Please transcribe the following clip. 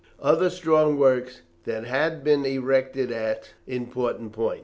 Other strong works had been erected at important points.